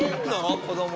子供。